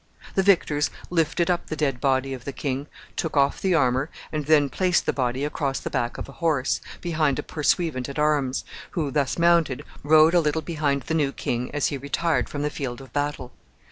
The victors lifted up the dead body of the king, took off the armor, and then placed the body across the back of a horse, behind a pursuivant at arms, who, thus mounted, rode a little behind the new king as he retired from the field of battle.